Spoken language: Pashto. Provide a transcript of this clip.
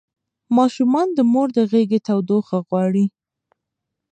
ماشومان د مور د غېږې تودوخه غواړي.